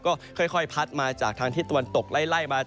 ก็ค่อยพัดมาจากทางที่ตะวันตกไล่มา